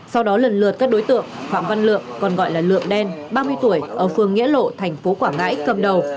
sau đó lần lượt các đối tượng phạm văn lượng còn gọi là lượng đen ba mươi tuổi ở phường nghĩa lộ thành phố quảng ngãi cầm đầu